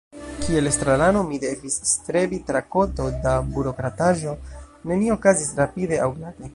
Kiel estrarano mi devis strebi tra koto da burokrataĵo, nenio okazis rapide aŭ glate.